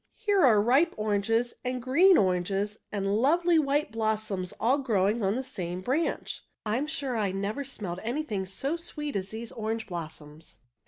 "Here are ripe oranges and green oranges and lovely white blossoms all growing on the same branch. I'm sure I never smelled anything so sweet as these orange blossoms!"